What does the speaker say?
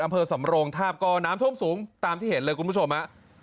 อำเภอสำโรงทาบก็น้ำท่วมสูงตามที่เห็นเลยคุณผู้ชมฮะ